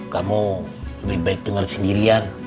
kamu lebih baik dengar sendirian